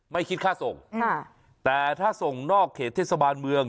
ไม่คิดค่าส่งค่ะแต่ถ้าส่งนอกเขตเทศบาลเมือง